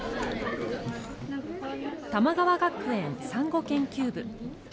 玉川学園サンゴ研究部。